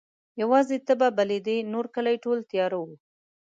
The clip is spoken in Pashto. یواځي ته به بلېدې نورکلی ټول تیاره وو